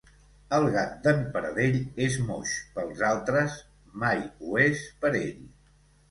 El gat d'en Paradell és moix pels altres; mai ho és per ell.